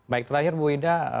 baik terakhir bu wida